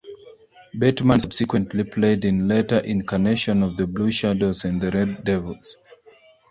Bateman subsequently played in later incarnations of the Blue Shadows and the Red Devils.